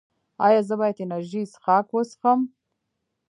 ایا زه باید انرژي څښاک وڅښم؟